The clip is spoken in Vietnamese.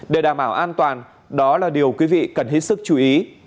để đảm bảo an toàn đó là điều quý vị cần hết sức chú ý